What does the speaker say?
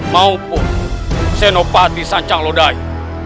maupun senopati sanjang lodai